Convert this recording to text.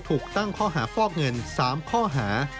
ถูกตั้งข้อหาฟอกเงิน๓ข้อหา